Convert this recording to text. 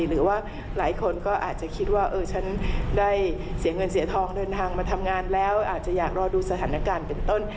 หรือว่าหลายคนก็อาจจะคิดว่าเออฉันได้เสียเงินเสียทองเดินทางมาทำงานแล้วอาจจะอยากรอดูสถานการณ์เป็นต้น